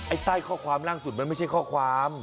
ใต้ข้อความล่าสุดมันไม่ใช่ข้อความ